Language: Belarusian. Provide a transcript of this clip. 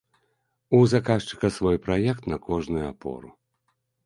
У заказчыка свой праект на кожную апору.